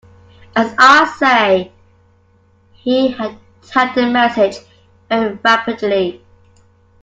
As I say, he had tapped the message very rapidly.